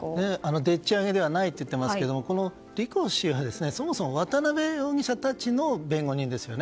でっち上げではないと言っていますけど、このリコ氏はそもそも渡辺容疑者たちの弁護人ですよね。